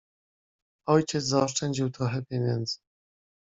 "Ojciec zaoszczędził trochę pieniędzy."